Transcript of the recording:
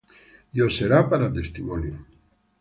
Y os será para testimonio.